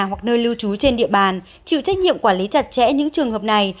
hoặc nơi lưu trú trên địa bàn chịu trách nhiệm quản lý chặt chẽ những trường hợp này